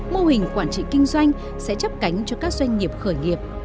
mô hình quản trị kinh doanh sẽ chấp cánh cho các doanh nghiệp khởi nghiệp